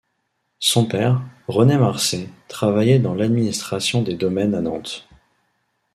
Son père, René Marcé, travaillait dans l'Administration des Domaines à Nantes.